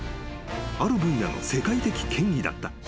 ［ある分野の世界的権威だった。